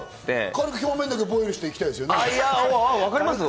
軽く表面だけボイルしていきたいですよね。